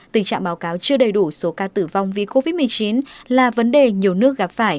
tình trạng báo cáo chưa đầy đủ số ca tử vong vì covid một mươi chín là vấn đề nhiều nước gặp phải